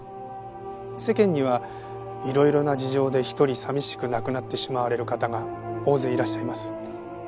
世間にはいろいろな事情で一人寂しく亡くなってしまわれる方が大勢いらっしゃいます。